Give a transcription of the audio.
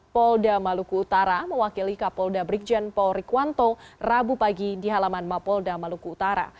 polda maluku utara mewakili kapolda brigjen paul rikuanto rabu pagi di halaman mapolda maluku utara